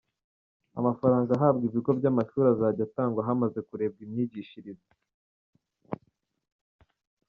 Amafaranga ahabwa ibigo by’amashuri azajya atangwa hamaze kurebwa imyigishirize